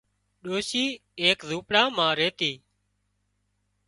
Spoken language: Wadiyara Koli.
ڏوشي ايڪ زونپڙا مان ريتي